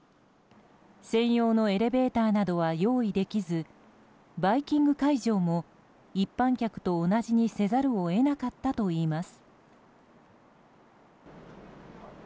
専用のエレベーターなどは用意できずバイキング会場も一般客と同じにせざるを得なかったといいます。